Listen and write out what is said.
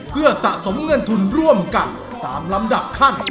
เพื่อสะสมเงินทุนร่วมกันตามลำดับขั้น